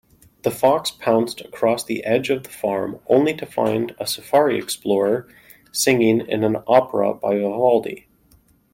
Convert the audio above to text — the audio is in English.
The fox pounced across the edge of the farm, only to find a safari explorer singing an opera by Vivaldi.